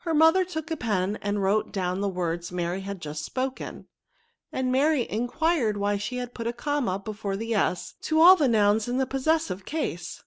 Her mother took a pen and wrote down the words Mary had just spoken ; and Mary enquired why she put a comma before the * to all the nouns in the possessive case.